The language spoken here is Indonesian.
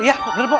iya benar pak